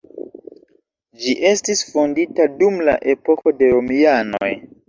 Ĝi estis fondita dum la epoko de romianoj.